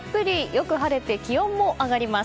よく晴れて気温も上がります。